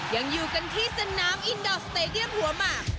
ยังอยู่กันที่สนามอินดอร์สเตดียมหัวหมาก